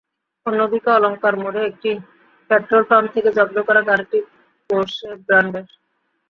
অন্যদিকে অলংকার মোড়ে একটি পেট্রলপাম্প থেকে জব্দ করা গাড়িটি পোরশে ব্র্যান্ডের।